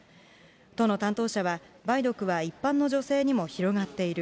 都の担当者は、梅毒は一般の女性にも広がっている。